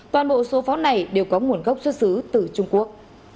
toàn bộ số pháo này đều có nguồn gốc xuất xứ từ trung quốc